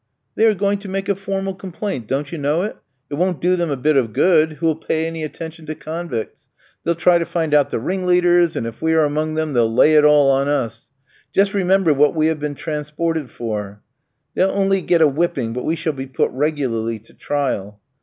"They are going to make a formal complaint, don't you know it? It won't do them a bit of good; who'll pay any attention to convicts? They'll try to find out the ringleaders, and if we are among them they'll lay it all on us. Just remember what we have been transported for. They'll only get a whipping, but we shall be put regularly to trial.